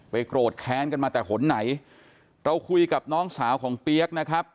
โกรธแค้นกันมาแต่หนไหนเราคุยกับน้องสาวของเปี๊ยกนะครับ